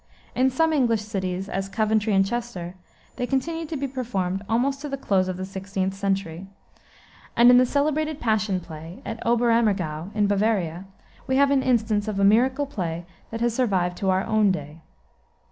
In some English cities, as Coventry and Chester, they continued to be performed almost to the close of the 16th century. And in the celebrated Passion Play, at Oberammergau, in Bavaria, we have an instance of a miracle play that has survived to our own day.